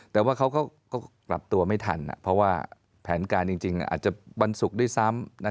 แต่ว่าเขาก็กลับตัวไม่ทันเพราะว่าแผนการจริงอาจจะวันศุกร์ด้วยซ้ำ